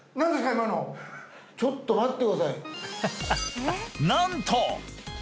今のちょっと待ってくださいなんと！